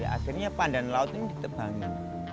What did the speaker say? akhirnya pandan laut ini ditebangin